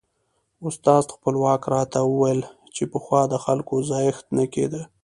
استاد خپلواک راته ویل چې پخوا د خلکو ځایښت نه کېده.